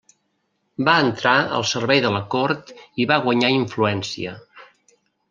Va entrar al servei de la cort i va guanyar influència.